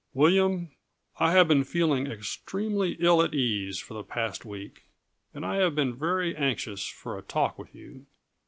"William, I have been feeling extremely ill at ease for the past week, and I have been very anxious for a talk with you.